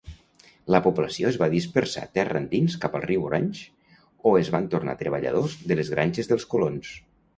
La població es va dispersar terra endins cap al riu Orange o es van tornar treballadors de les granges dels colons.